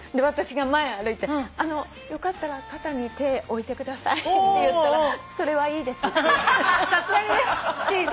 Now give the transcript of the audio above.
私が前歩いて「あのよかったら肩に手置いてください」って言ったら「それはいいです」って。